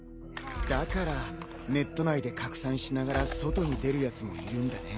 だからネット内で拡散しながら外に出るやつもいるんだね。